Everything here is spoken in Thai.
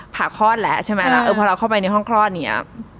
ผ่าครอดและใช่มั้ยพอเข้าไปในห้องคลอดเนี่ย